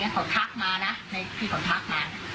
เขาทักมานะในที่เขาทักมา